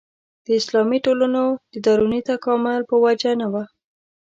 د اسلامي ټولنو د دروني تکامل په وجه نه وه.